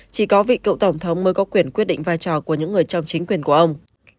chỉ có vị cựu tổng thống mới có quyền quyết định vai trò của những người trong chính quyền của ông